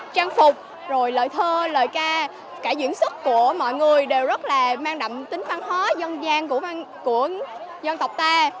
trang phục rồi lời thơ lời ca cả diễn sức của mọi người đều rất là mang đậm tính văn hóa dân gian của dân tộc ta